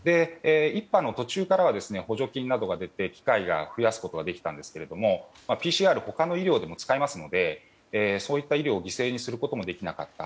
１波の途中からは補助金などが出て機械を増やすことができたんですがＰＣＲ他の医療でも使いますのでそういった医療を犠牲にすることもできなかった。